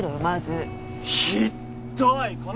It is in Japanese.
まずひっどい！